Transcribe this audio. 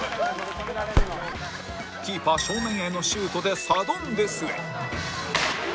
キーパー正面へのシュートでサドンデスへ